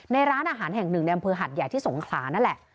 ร้านอาหารแห่งหนึ่งในอำเภอหัดใหญ่ที่สงขลานั่นแหละ